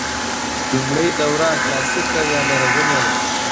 لومړۍ دوره کلاسیکه یا لرغونې ده.